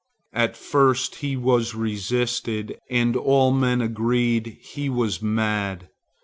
At first he was resisted, and all men agreed he was mad.